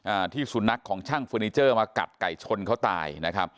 อ่าที่สุนัขของช่างเฟอร์นิเจอร์มากัดไก่ชนเขาตายนะครับ